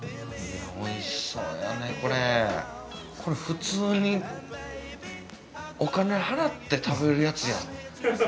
おいしそうやねこれ。これ普通にお金払って食べるやつやん。